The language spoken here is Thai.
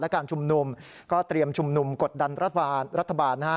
การชุมนุมก็เตรียมชุมนุมกดดันรัฐบาลนะฮะ